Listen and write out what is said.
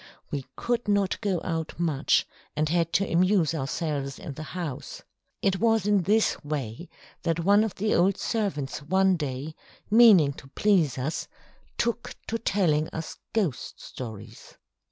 We could not go out much, and had to amuse ourselves in the house. It was in this way that one of the old servants one day, meaning to please us, took to telling us ghost stories.